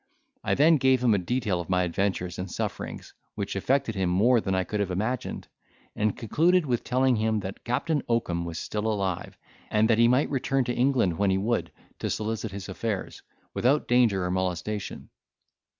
I then gave him a detail of my adventures and sufferings, which affected him more than I could have imagined; and concluded with telling him that Captain Oakun was still alive, and that he might return to England when he would to solicit his affairs, without danger or molestation.